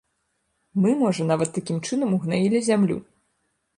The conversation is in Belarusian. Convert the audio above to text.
Мы, можа, нават такім чынам ўгнаілі зямлю.